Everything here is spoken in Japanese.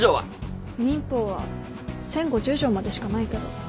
民法は１０５０条までしかないけど。